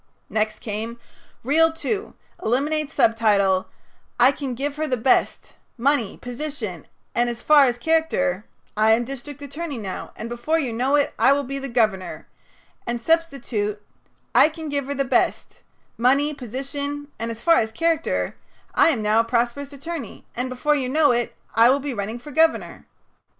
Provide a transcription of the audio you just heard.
'" Next came: "Reel Two Eliminate subtitle, 'I can give her the best money, position, and, as far as character I am district attorney now, and before you know it I will be the governor,' and substitute: 'I can give her the best money, position, and, as far as character I am now a prosperous attorney, and before you know it I will be running for governor.'"